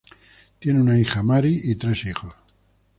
Tienen una hija, Mary, y tres hijos.